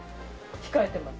控えてます。